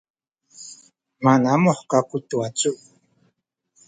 manamuh kaku tu wacu